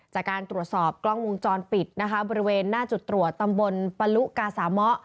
จากการตรวจสอบกล้องวงจรปิดนะคะบริเวณหน้าจุดตรวจตำบลปะลุกาสามะ